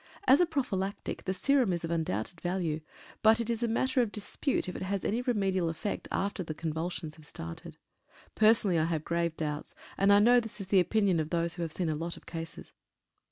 As a prophylactic the serum is of undoubted value, but it is a matter of dispute if it has any remedial effect after convulsions have started. Personally I have grave doubts, and I know this is the opinion of those who have seen a lot of cases.